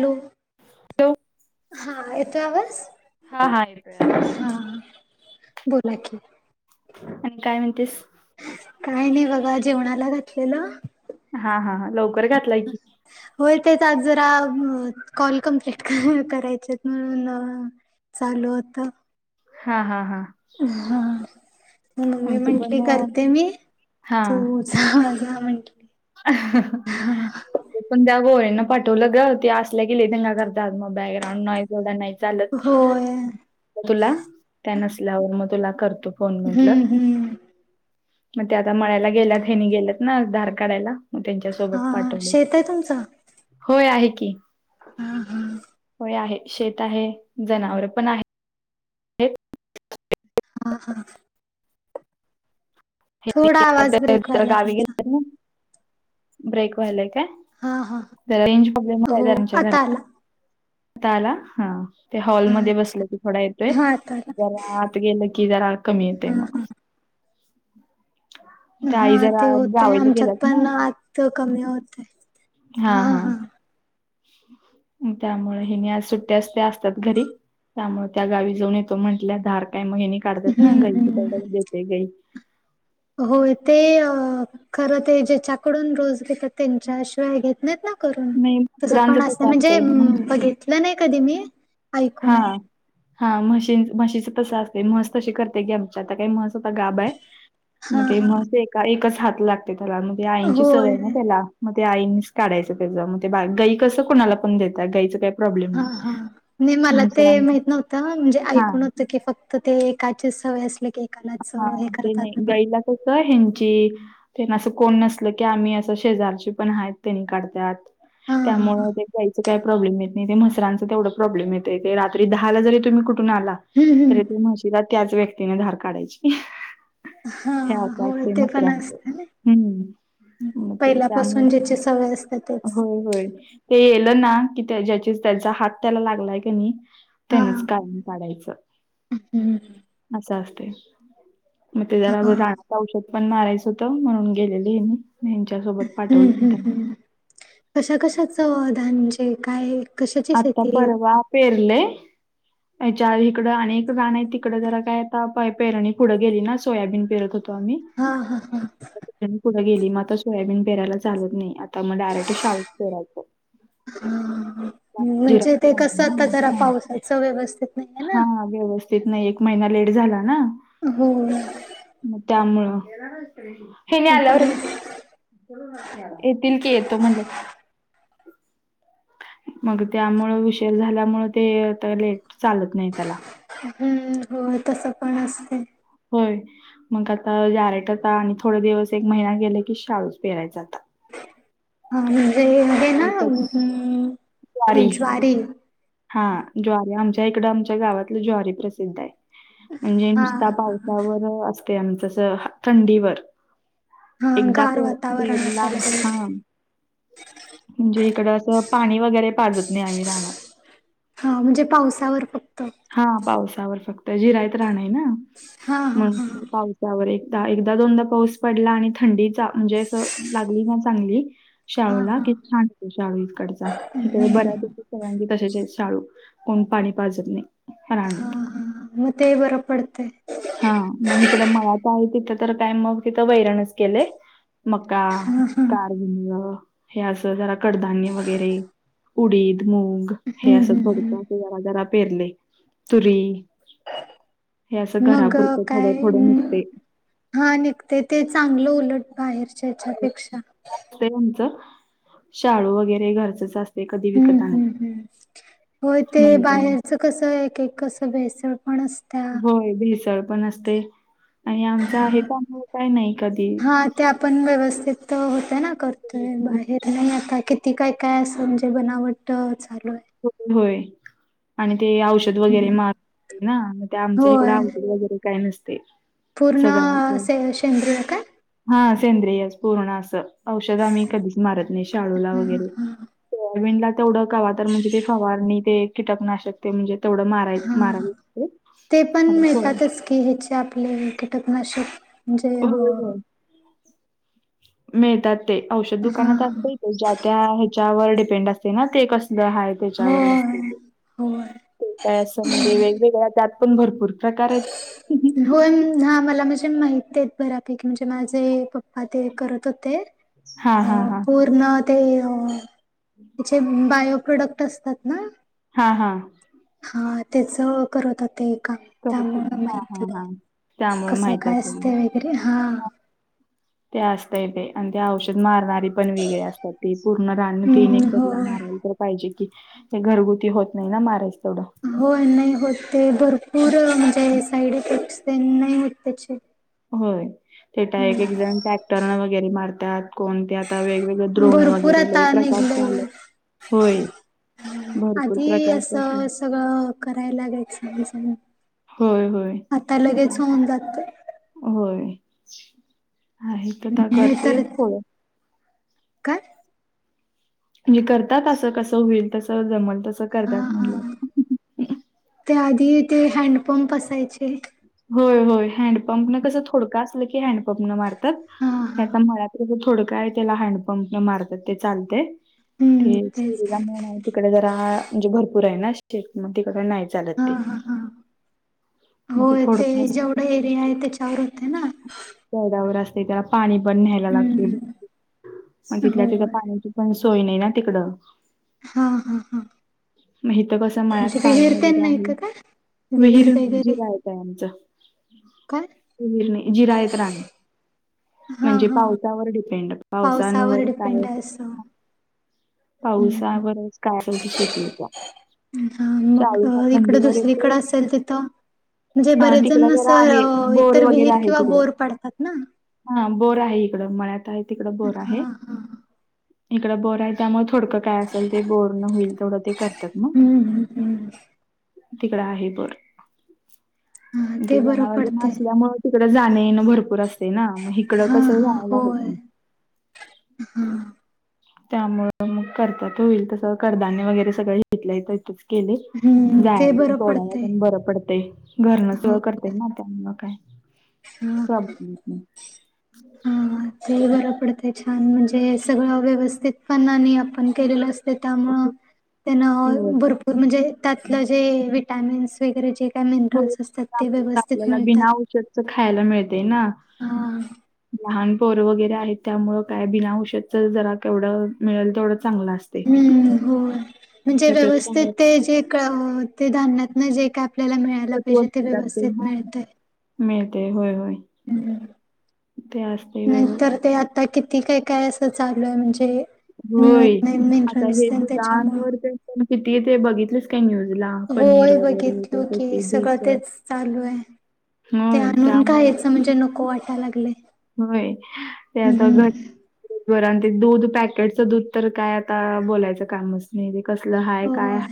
Hello ठेवू हा येतो आवाज येतोय आवाज हा येतोय बोला की आणि काय म्हणतेस काय नाही बघा जेवणाला घातलेलं. हा हा लवकर घातलाय की होय तेच आज जरा कॉल कमप्लीट करायचे म्हणून म चालू होतं. हा हा हा हा म मम्मी आमचं पण म्हंटली करते मी हा तू हां जा म्हटली. [inaudible] मी पण त्या गोळ्यांना पाठवलं ग ते असल्या गिले दंगा करतात म बॅग्राऊंड नॉईज एवढा नाही चालत होय तुला त्या नसल्यावर मग तुला करतो. फोन म्हटलं हम्म हम्म मग ते आता मळ्यायला गेल्यात हेनी गेल्यात ना धार काढायला. म त्यांच्यासोबत हा पाठवले तर शेत आहे तुमचं होय आहे की हा हा होय आहे शेत आहे जनावर पण आहे. हे हा हा हे थोडा आवाज ब्रेक व्हायलाय गावी तुमचा गेलंत नां ब्रेक व्हायलाय काय? हा हा [unintelligible] हो घरात नां आता आला आता आला हा ते हा हॉलमध्ये अच्छा बसलं की थोडा येतोय हा आता आला जरा आत गेलं की जरा कमी येतय हा हा म त्या हा आई ते जरा होतय जावईला आमच्यात गेल्यात पण ना नां आतच कमी होतय. हा हा त्यामुळे हेनी आज सुट्टी आज त्या असतात घरी त्यामुळ त्या गावी जाऊन येतो म्हंटल्या धार काय म हेनी काढतात ना हम्म गई चं हम्म काय देते गई होय ते खरं ते ज्याच्याकडून रोज घेतात त्यांच्याशिवाय घेत नाहीत ना करून नाही तस कुत्रांचं पाण असला तसं म्हणजे असतंय म्हस बघितला नाय कधी मी हा ऐकून आहे हा म्हशी म्हशीच तस असत म्हस तशी करते की आमची आता काय म्हस आता गाब हाय हा हा मग ते एकच हात लागते त्याला ते आईंची होय सवय ना त्याला म ते आईनींच काढायचं त्याज मग ते बा गाई कसं कोणाला पण देता गाईच काय प्रॉब्लेम नीं. नही मला ते माहित नव्हतं म्हणजे हा ऐकून होतं की फक्त ते एकाचीच सवय असले की कलाच हे करतात न कुठ हेंची. तेन असं कोण नसल की आम्ही असं शेजारची पण आहेत त्यांनी काढत्यात. हा हा हा त्यामुळ ते गाईचं काय प्रॉब्लेम येत ते म्हसरांचा तेवढ प्रॉब्लेम येतय ते रात्री दहाला जरी तुम्ही कुठून आला हम्म हम्म तरी ते म्हशी तिला त्याच व्यक्तीने धार काढायची. हा हे अस होय असतय ते पण म्हसरांच असत ना हम्म. म ते काय आम्ही पहिल्यापासून ज्याची सवय असते तेच होय होय. ते येल ना की त्या ज्या त्याचा हात त्याला लागलाय कणी हा त्यानच कायम काढायचं हम्म. असं असतय. म ते जरा हा रानात औषध पण मारायचं होतं म्हणून गेलेली मी. हम्म हम्म त्यांना हम्म कशा कशाच धान म्हनजे काय कशाची आता शेती परवा पेरलय. याच्या इकडं आणि एक राण आहे तिकडं जरा काय आता पै पेरणी पुढं गेली ना सोयाबीनं परत होतो आम्ही हा हा हा पुढे गेली मग आ सोयाबीन पेरायला चालत नाही आता मग डायरेक्ट शाळीत पेरायचं. हा म्हणजे ते जिरायचं कस आता नाही जरा ना. पावसाच व्यवस्थित नाहीये ना हा व्यवस्थित नाय एक महिना लेट झाला ना. हो म त्यामुळं हेनी आल्यावर [inaudible] येतील की येतो म्हणलेत ना मग त्यामुळ उशीर झाल्यामुळ ते लेट चालत नाही त्याला. हम्म होय तस पण असते. होय मग आता डायरेक्ट आता आणि थोड दिवस एक महिना गेला की शाळुच पेरायचा आता. हा म्हणजे हे एकच ती ज्वारी हा ज्वारी आमच्या इकडं आमच्या गावातलं ज्वारी प्रसिद्ध आहे. म्हणजे हा नुसता हा पावसावर असते आमच असं थंडीवर. हा, एकदा गार पे वातावरण असायला पेरलानं हा पाहिजे म्हणजे इकडं असं पाणी वगैरे पाजत नाही आम्ही रानात. हा म्हणजे पावसावर फक्त. हा पावसावर फक्त, जिरायत रान येना हा हा म्हणून हा पाऊस त्यावर एकदा, एकदा दोनदा पाऊस पडला आणि थंडीचा म्हणजे असं लागली ना चांगली हा शाळूला हा कि छान. शाळू इकडचा, इकडे बऱ्याैकी सगळ्यांची तशचे शाळू कोण पाणी पाजत नाही. ह्या रानात. म ते बर पडतय. हा मग हीकड मळात आहे, तिथं तर काय मग तिथं वैरणच केलंय. मका कारगण [unintelligible] हे असं जरा कडधान्य वगैरे उडीद मूग हे असं थोडक जरा जरा पेरले तुरी. हे असं मग घरापुरतं थोडं काय? थोडं निघतंय. हा निघते ते चांगलं उलट बाहेरच्या याच्यापेक्षा. [unintelligible] शाळू वगैरे घरचच असत. हम्म हम् हम्, होय ते मग बाहेरच कसं एक एक कसं भेसळ पण असत होय भेसळ पण असते आणि आमच आहे तर आम्हाला काय नाही कधी. हा ते आपण व्यवस्थित होत ना, करतोय बाहेर नाही आता कि ती काय काय असं म्हणजे बनावट चालू आहे. हो होय आणि ते औष द वगैरे मारताना ते आमच्या इकड होय औषध वगैरे काय नसते. पूर्ण सगळं असं से सेंद्रिय काय? हा सेंद्रियच पूर्ण असं औषध आम्ही कधीच मारत नाही शाळूला वगैरे ते अरविंदला तेवढं कवा तर म्हणजे ते फवारणी ते कीटकनाशक ते म्हणजे तेवढं माराय हा माराया लागते कीडीचे आपले कीटकनाशक म्हणजे हो अ होय मिळतात ते, औषध दुकानात हा असत. ज्या त्या ह्याच्यावर डिपेंड असते ना ते कसं हाय त्याच्यावर असतं होय ते, होय. ते काय असं म्हणजे वेगवेगळ्या त्यात पण भरपूर प्रकार आहेत. होय हा मला म्हणजे माहिती आहेत बऱ्यापैकी म्हणजे माझे पप्पा ते करत होते. हा हा हा पूर्ण ते त्याचे बायो प्रोडक्ट असतात. हं? हा हा. हा त्याच करत होते काम करत हा हा त्यामुळं हा त्यामुळे कस माहित काय असेल असते वगैरे हा? ते असत ते आणि ते औषध मारणारी पण वेगळे असतात, ते पूर्ण रान तिन हम्म एकारला होय. मारलं. पाहिजे की ते घरगुती होत नाही ना मारायच तेवढं. होय नाही होत ते भरपूर म्हणजे साईड इफेक्टस ते नाही होत त्याचे होय तेत आहे एक जण टॅक्टरन वगैरे मारतात. कोणते आता वेगवेगळे ड्रोन भरपूर वगैरे लय आता प्रकार निघलंय आलेत, होय. भरपूर आधी प्रकारच्या असेल. असं सगळं करायलागेयच, होय, होय. आता लगेच होऊन जात. होय आहे तर नाही तर करतील थोडं. काय? हे करतात असं कस होईल तस जमल तसं करत्यात म्हणलं. त्याआधी ते हँडपंप असायचे. होय होय हँडपंप न कस थोडकं असलं की हँड पंप न मारतात हा हे हा आता मळात्र ज थोडं आहे त्याला हँडपंप न मारतात ते चालते हम्म ते तेच ेरीला मुड तिकडे जरा म्हणजे भरपूर आहे ना शे मग तिकडे नाही चालत ते मग हो ते थोडकं असलं जेवढा एरिया आहे ते वर होतते ना ड्यावर असते त्याला पाणी पण न्यायला लागतेग हम्म तिथल्या तिथ होय पाणी पण सोय नाही ना तिकडं हा हा हा हेथ कस मळ्यात म्हणजे पाणी विहीर तेन वगैरे नाही आहे का काय विहीर जिवायच काय आमचरणी जिरायत राणी हा म्हणजे हा पावसावर डिपेंड पावसावर काय अस पावसा बरच कायलत शेती होता हा मग इकडं येते दुसरीकडें असेल तिथं म्हणजे हा बरेच तिकड जण जरा आहे असं बोर इतर वगैरे विहीर आहे किंवा तिकडं. बोर पाडतात ना हा बोर आहे इकडं मळ्यात आहे तिकड बोर हा आहे हा इकड बोर आहे त्यामुळे थोडकं काय असेल ते बोर न होईल थोडं ते करतात मग हम्म हम्म हम्म. तिकडं आहे बर हा ते बरं जनावर ज पडतंय असल्यामुळे तिकडं जाणे ना भरपूर असते ना मग इिकडं हा कसं हा जायला होत हम. त्यामुं मग कर्तात होईल तसं कधान्य वगैरे सगळं घेतलं येतं इथ. केले हम्म ते जाय बरं तोडायला पडतंय पण बरं पडते. घरणंचळ करताय ना त्यामुलं काय. हम् ह. ह हम्. ते बरं पडते छान म्हणजे सगळं व्यवस्थित पणाने आपण केलेलं असत. त्यामु त्या व्यवस्थित भरपूर म्हणजे त्यातलं जे विटमिन्स वगरे जे. का हो मिनरलस असतात ते व्यवस्थित आपल्याला मिळतात. बिना औषधच खायला मिते ना हा लान. कोर वगैरे आहेत त्यामुळ काय बिना औषधच जरा केवढं मिळेल तेवढं चांगलं असत. हम्म हो म्हणजे व्यवस्थित बाहेर ते जे. ते धान्यातन जे काय आपल्याला मिळायला पाहिजे ते व्यवस्थित मिळत आहे. मिळते होय होय ते असतय व्यव नाहीतर ते आ आता किती काय काय असं चालू आहे म्हणजे मिळत होय. नाही मिनरल्स त्याच्यामु ण किती ते बघितलेस कॅन्यूज ला पनीर होय बघितलो की सगळं वगैरेच. तेच हो त्या. गायचं म्हणजे नको वाटाला लागले. होय त्या आता घट. बरं आणि ते दूध पॅकेटचं दूध तर काय आता बोलायचं काम असत. नाही तेे कसलं हाय काय ह. होय.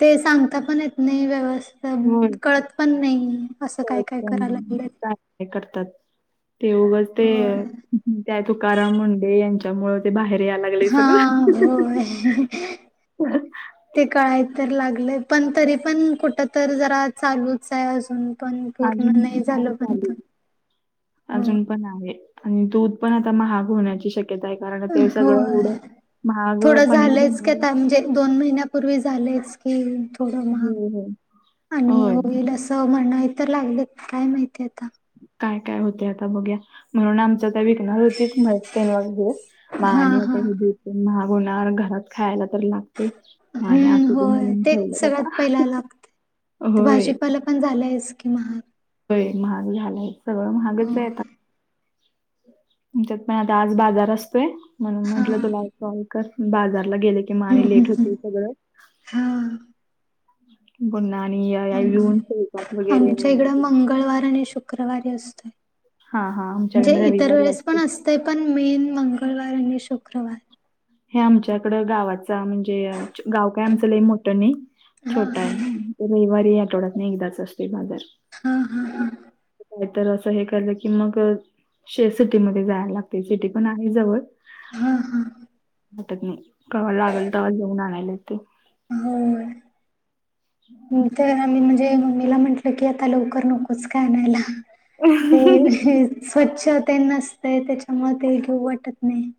ते सांगता पण येत नाही व्यवस्थ होय कळत पण नाही. असं काय काय करायला लागलं. हे करतात ते उघच होय ते तुकाराम मुंडे यांच्या. च्यामुळे ते बाहेर या लागले हा सगळं. होय. ते कळाय तर लागले पण तरी पण कुठ तर जरा चालूच आहे अजून. पण पूर्ण अजून नाही पण हाय झालं पण चालू हो. अजून आहे आणि दूध पण आता महाग होण्याची शक्य. आहे कारण ते सगळं उढं होय महाग थोडं पनीर झालंयच की बनल. आता म्हणजे दोन महिन्यापूर्वी झालेच की थोड मग होय होय आणि होय होल. त म्हणन हे तर लागलेत काय माहितीय आता. काय काय होते आता बघया म्हणून आम सध्या विकणार होती माहित नाही मग हे हा आणि हा आता महाग होणार घरात खायला तर लागते. मग आणि हम्म असू दे होय म्हणून ते ठेवलं सगळ्यात आता पहिला लागते होय भाजीपाला पण झालं आहेस कि महाग. होय महाग झालाय सगळं महागच आहे आता. हो. आमच्यात पण आता आज बाजार असतोय म्हणून हा म्हटलं तुला हम्म कॉल कर बाजारला गेले कि म आणि. हम्म लेट होतेय हम्म सगळं. हा गुणा आणि आम येन स वगैरे आमच्या इकडं महिन्यांत मंगळवार आणि शुक्रवारी असतो हां, हां. म्हणजे आमच्याकडे इतर रविवारी वेळेस पण असते. असत. ते पण मेन मंगळवार आणि शुक्रवार.. हे आमच्याकडं गावाचा म्हणजे गाव काही आमचं मोठ नाही हा छोटं आहे. ते रविवारी आठवड्यात नाही एकदाच असते बाजार. हा हा हा. का तर असं हे केल की मंग- शे शिटीमध्ये जाय लागते सिटी पण आहे जवळ. हम्म हम्म. आता नाही कव्हा लागल तेव्हाच जाऊन आणायला ते. हम्म. तर आम्ही म्हणजे मम्मीला म्हटलं की आता लवकर नकोच काय आणायला. ते स्वच्छ ते नसतं त्याच्या मुळे ते घेऊ वाटत नाही.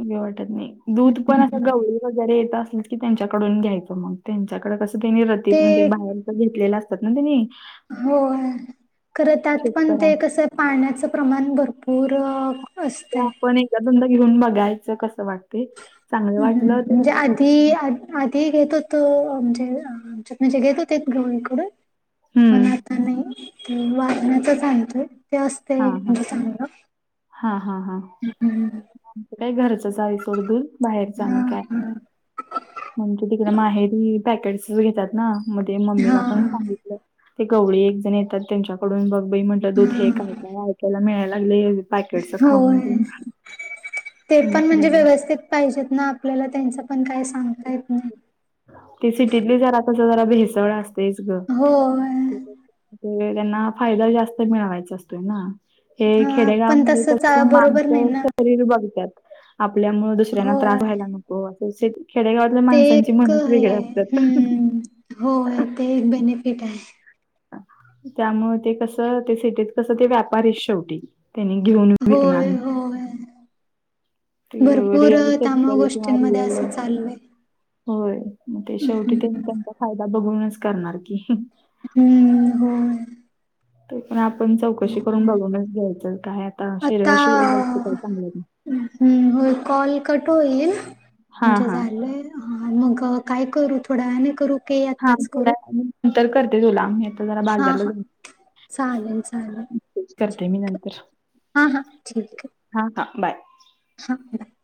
घेवू वाटत नाही दूध पण असं गवळी वगैरे येत असेल की त्यांच्याकडून घ्यायचं मग त्यांच्याकड कस ते नी रतीत म्हंजे ते बाहेरच घेतलेल असत ना त्यांनी. हो खरं त्यात पण शेतकऱ्यां ते कसं पाण्याचं प्रमाण भरपूर अ ते असतंय आपण एकादा दोनदा घेऊन बघायचं कसं वाटते. हम्म म्हणजे आधी आ आधी घेत होतो म्हणजे म्हणजे घेत होते गवळी इकडून पण हम्म. आता आता नाही ते वारणाच आणतोय ते असतंय म्हणजे चांगलं. हा हा हा काय घरचच आहे सोड दूध बाहेरच हा आणि काय हा ममीच्या तिकडे माहेरी पॅकेट्स घेतात ना म ते हा मम्मीला पण सांगितलं. ते गवळी एक जण येतात त्यांच्याकडून बघ बाई म्हंटलं दूध हे काय हा काय ऐकायला मिळायला लागले होय ते पण म्हणजे व्यवस्थित पाहिजेत ना आपल्याला त्यांच पण काय सांगता येत नाही. ते सिटीतले जरा तस जरा भेसळ असतेच ग. होय ते त्यांना फायदा जास्त मिळवायचा असतोय ना. हे हा पण खेडेगावमध्ये तस क बरोबर नाही माणसं ना शरीर बघत्यात. आपल्यामुळे दुसऱ्यांना त्रास होय व्हायला नको असं खेडेगावातल्या माणसांची मनत होय हम्म ते एक मोठ बेनिफिट आहे. त्यामुळे ते कस ते सिटीत कसं ते व्यापारी आहे शेवटी. त्यांनी घेऊन होय विकणार होय ते भरपूर रिअल त्यामुळे शेतकरी किंवा गोष्टींमध्ये रियल असं चाललंय होय मग ते शेवटी ते मी त्यांचा फायदा बघूनच करणार की. हम्म हो. ते पण आपण चौकशी करून बघूनच घ्यायचं काय आता शरीराशिवाय जास्त आता काय चांगलं नाही. हम्म होय कॉल कट होईल हा म्हणजे हा. झालंयं हा मग काय करू थोड्या वेळानी करू की हा आत्ताच करू थोड्या नंतर करते तुला मी आता जरा हा बाजारला हा जाऊन चालेल चालेल मी ठीकय नंतर हां हां ठीकय. हा हा बाय. [inaudible]